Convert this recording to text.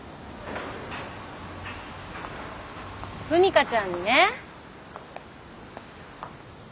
風未香ちゃんにね。